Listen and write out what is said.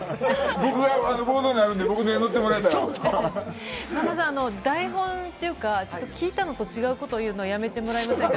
僕がボードになるんで、さんまさん、台本っていうか、ちょっと聞いたのと違うこと言うのやめてもらえませんか。